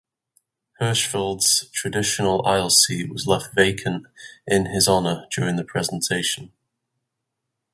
Hirschfeld's traditional aisle seat was left vacant in his honor during the presentation.